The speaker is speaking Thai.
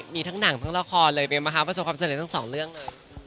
มีทั้งหนังทั้งละครเลยไหมคะประสบความเสนอในทั้ง๒เรื่องเลย